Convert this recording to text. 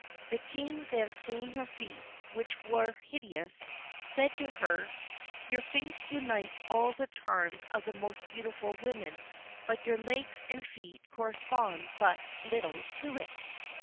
The King then seeing her feet, which were hideous, said to her: 'Your face unites all the charms of the most beautiful women, but your legs and feet correspond but little to it.'"